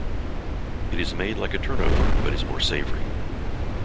It is made like a turnover but is more savoury.